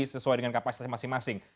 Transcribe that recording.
sesuai dengan kapasitas masing masing